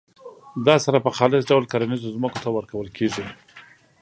دا سره په خالص ډول کرنیزو ځمکو ته ورکول کیږي.